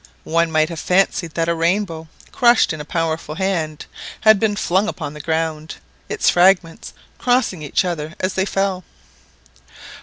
One might have fancied that a rainbow, crushed in a powerful hand, bad been flung upon the ground, its fragments crossing each other as they fell.